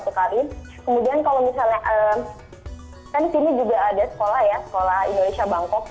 sekolah indonesia bangkok